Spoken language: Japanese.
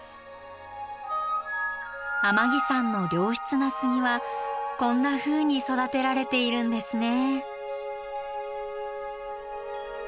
天城山の良質な杉はこんなふうに育てられているんですね。